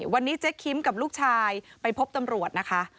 วันนี้เจ๊คิมกับลูกชายไปพบตำรวจนะคะ